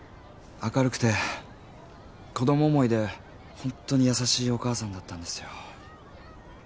明るくて子供思いでホントに優しいお母さんだったんですよ。